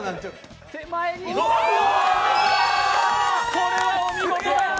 これはお見事！